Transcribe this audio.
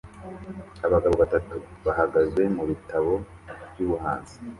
Abagabo batatu bahagaze mubitabo byubuhanzi